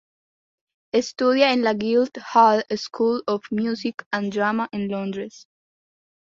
Estudia en la Guildhall School of Music and Drama en Londres.